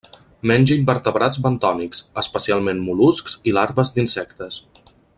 Menja invertebrats bentònics, especialment mol·luscs i larves d'insectes.